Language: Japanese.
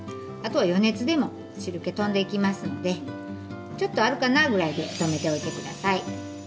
あとは余熱でも汁けとんでいきますのでちょっとあるかなぐらいで止めておいてください。